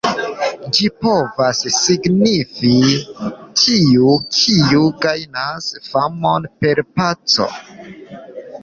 Ĝi povis signifi: "tiu, kiu gajnas famon per paco".